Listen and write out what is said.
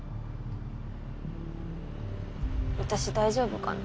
私大丈夫かな？